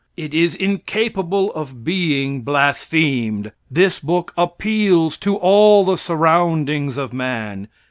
It is incapable of being blasphemed. This book appeals to all the surroundings of man.